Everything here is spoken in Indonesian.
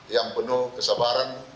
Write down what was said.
yang penuh kesabaran